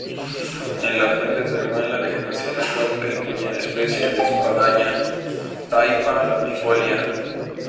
En la fuente termal, la vegetación acuática incluye una especie de espadaña, "Typha latifolia".